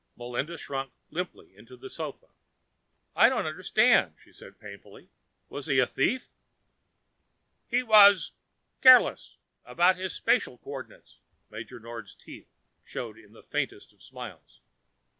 Melinda shrunk limply onto the sofa. "I don't understand," she said painfully. "Was he a thief?" "He was careless about his spatial coordinates." Major Nord's teeth showed in the faintest of smiles.